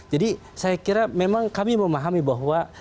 jadi saya kira memang kami memahami bahwa